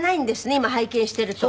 今拝見してると。